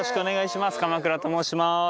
鎌倉と申します。